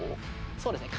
そうですね。